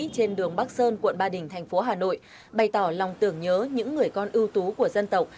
trên đường bắc sơn quận ba đình thành phố hà nội bày tỏ lòng tưởng nhớ những người con ưu tú của dân tộc